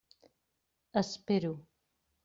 Espero.